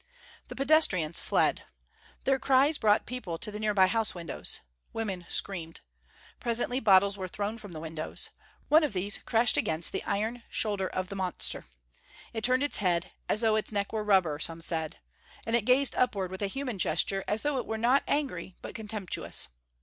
The pedestrians fled. Their cries brought people to the nearby house windows. Women screamed. Presently bottles were thrown from the windows. One of these crashed against the iron shoulder of the monster. It turned its head: as though its neck were rubber, some said. And it gazed upward, with a human gesture as though it were not angry, but contemptuous.